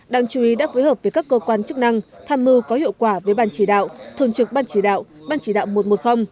đáng chú ý đã phối hợp với các cơ quan chức năng tham mưu có hiệu quả với ban chỉ đạo thường trực ban chỉ đạo ban chỉ đạo một trăm một mươi